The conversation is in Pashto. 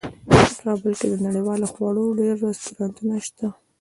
په کابل کې د نړیوالو خوړو ډیر رستورانتونه شته